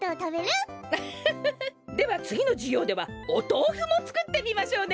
フフフッではつぎのじゅぎょうではおとうふもつくってみましょうね。